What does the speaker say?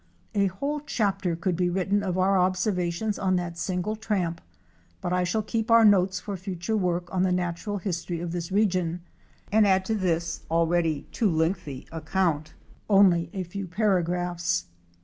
A whole chapter could be written of our observations on that single tramp, but I shall keep our notes for a future work on the natural history of this region and add to this already too lengthy account only a few paragraphs.